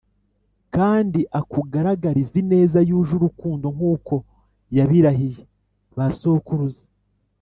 kandi akugaragarize ineza yuje urukundo nk’uko yabirahiye ba sokuruza.